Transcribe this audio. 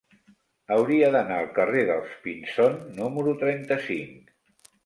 Hauria d'anar al carrer dels Pinzón número trenta-cinc.